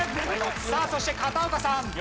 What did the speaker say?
さあそして片岡さん。